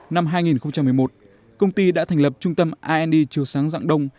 năm hai nghìn một mươi một công ty đã thành lập trung tâm ind chiều sáng dạng đông